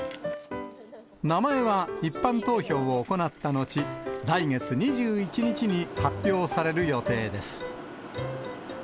名前は一般投票を行ったのち、来月２１日に発表される予定です。